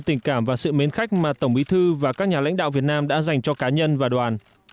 tình cảm và sự mến khách mà tổng bí thư và các nhà lãnh đạo việt nam đã dành cho cá nhân và đoàn